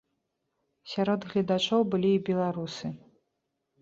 Сярод гледачоў былі і беларусы.